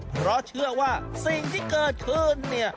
เพราะเชื่อว่าสิ่งที่เกิดขึ้นเนี่ย